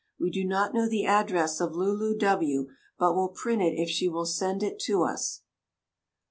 We do not know the address of Lulu W., but will print it if she will send it to us.